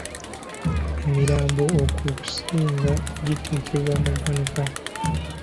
Emirambo okusinga giterekebwa mu ggwanika.